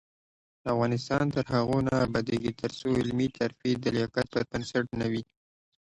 افغانستان تر هغو نه ابادیږي، ترڅو علمي ترفیع د لیاقت پر بنسټ نه وي.